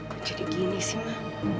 ma jadi gini sih ma